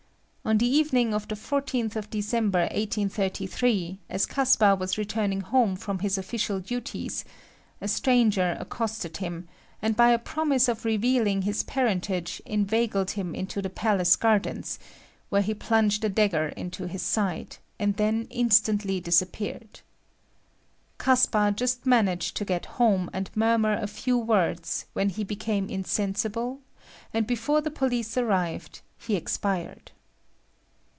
On the evening of the 14th December, 1833, as Caspar was returning home from his official duties, a stranger accosted him, and by a promise of revealing his parentage inveigled him into the palace gardens, where he plunged a dagger into his side, and then instantly disappeared. Caspar just managed to get home and murmur a few words when he became insensible, and before the police arrived he expired.